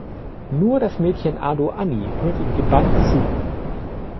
Nur das Mädchen Ado Annie hört ihm gebannt zu.